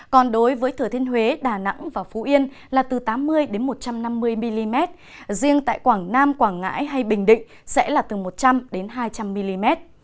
còn đối với thừa thiên huế đà nẵng và phú yên là từ tám mươi một trăm năm mươi mm riêng tại quảng nam quảng ngãi hay bình định sẽ là từ một trăm linh hai trăm linh mm